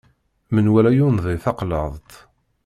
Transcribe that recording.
Menwala yundi taqlaḍt.